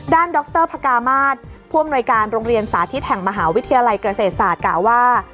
ดรพกามาศผู้อำนวยการโรงเรียนสาธิตแห่งมหาวิทยาลัยเกษตรศาสตร์กล่าวว่า